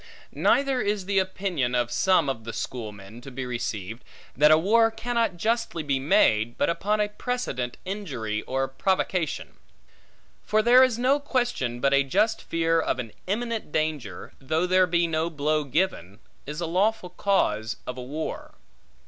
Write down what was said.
Neither is the opinion of some of the Schoolmen, to be received, that a war cannot justly be made, but upon a precedent injury or provocation. For there is no question, but a just fear of an imminent danger, though there be no blow given, is a lawful cause of a war.